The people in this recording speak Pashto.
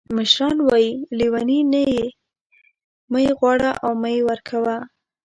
مشران وایي لیوني نه یې مه غواړه او مه یې ورکوه.